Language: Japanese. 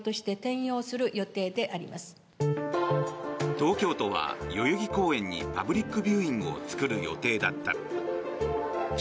東京都は代々木公園にパブリックビューイングを作る予定だった。